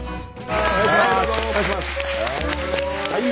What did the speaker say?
お願いします。